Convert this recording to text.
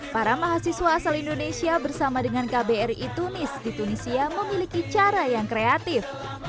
para mahasiswa asal indonesia bersama dengan kbri tunis di tunisia memiliki cara yang kreatif